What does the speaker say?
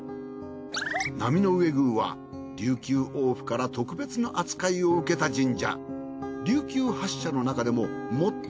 波上宮は琉球王府から特別な扱いを受けた神社。